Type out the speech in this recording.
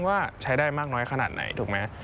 ว่าใช้ได้มากน้อยขนาดไหนถูกไหม